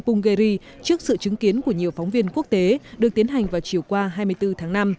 punggeri trước sự chứng kiến của nhiều phóng viên quốc tế được tiến hành vào chiều qua hai mươi bốn tháng năm